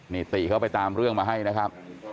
นี่ติเขาไปตามเรื่องมาให้นะครับ